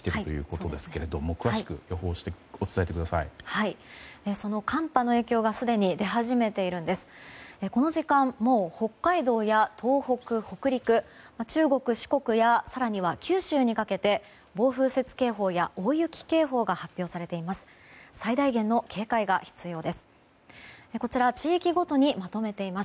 この時間、もう北海道や東北、北陸、中国・四国更には九州にかけて暴風雪警報や大雪警報が発表されています。